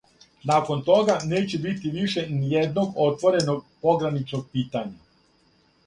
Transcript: Након тога неће бити више ниједног отвореног пограничног питања.